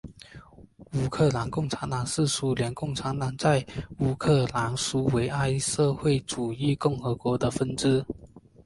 乌克兰共产党是苏联共产党在乌克兰苏维埃社会主义共和国的分支。